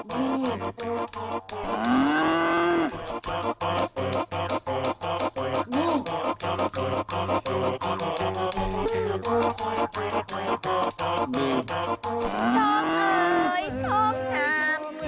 ชอบเอ๋ยชอบงาม